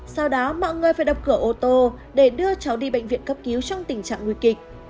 sau đó mọi người phải đập cửa ô tô để đưa cháu đi bệnh viện cấp cứu trong tình trạng nguy kịch